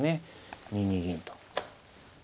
２二銀と。